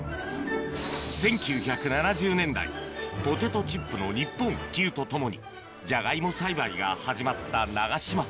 １９７０年代ポテトチップの日本普及とともにじゃがいも栽培が始まった長島